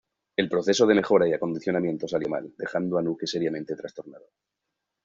El proceso de mejora y acondicionamiento salió mal, dejando a Nuke seriamente trastornado.